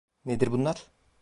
Nedir bunlar?